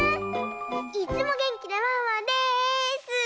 いっつもげんきなワンワンです！